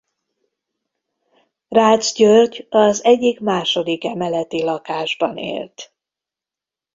Rácz György az egyik második emeleti lakásban élt.